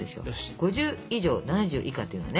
５０以上７０以下っていうのはね